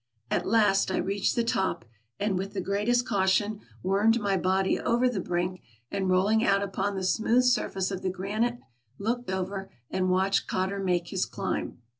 At last I reached the top, and, with the greatest caution, wormed my body over the brink, and rolling out upon the smooth surface of the granite, looked over and watched Cotter make his climb.